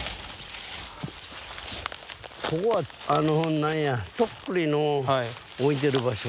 ここはあのなんやとっくりの置いてる場所。